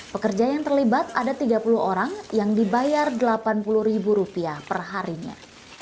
pekerja yang terlibat ada tiga puluh orang yang dibayar delapan puluh ribu rupiah perharinya